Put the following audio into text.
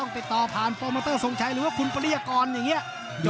ติดต่อผ่านโปรโมเตอร์ทรงชัยหรือว่าคุณปริยากรอย่างนี้